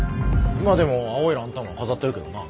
今でも青いランタンは飾ってるけどな。